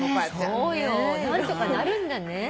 そうよ何とかなるんだね。